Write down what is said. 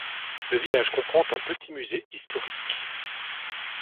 Le village comprend un petit musée historique.